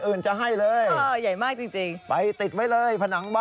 อุ่นจะให้เลย